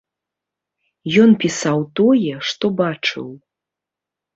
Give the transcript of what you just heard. Ён пісаў тое, што бачыў.